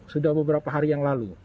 sudah beberapa hari yang lalu